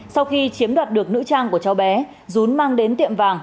sau khi chiếm đoạt được nữ trang của cháu bé dún mang đến tiệm vàng